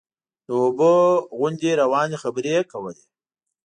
د اوبو غوندې روانې خبرې یې کولې.